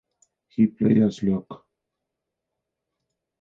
He played as lock.